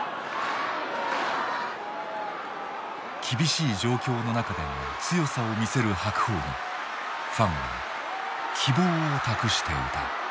厳しい状況の中でも強さを見せる白鵬にファンは希望を託していた。